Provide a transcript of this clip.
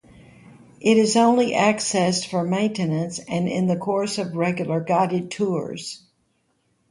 It is only accessed for maintenance and in the course of regular guided tours.